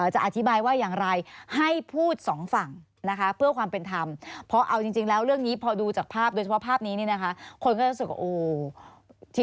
จะอธิบายว่าอย่างไร